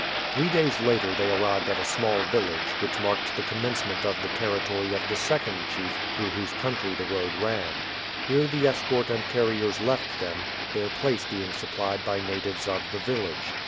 Three days later they arrived at a small village, which marked the commencement of the territory of the second chief through whose country the road ran. Here the escort and carriers left them, their place being supplied by natives of the village.